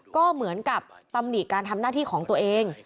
ก็เหมือนกับตำหนิการทำหน้าที่ของตัวเอง